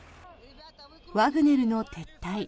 ワグネルの撤退。